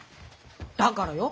だからよ。